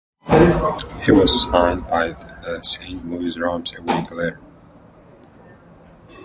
He was signed by the Saint Louis Rams a week later.